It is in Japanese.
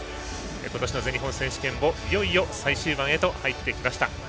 今年の全日本選手権も最終盤へと入ってきました。